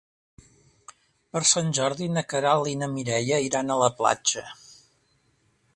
Per Sant Jordi na Queralt i na Mireia iran a la platja.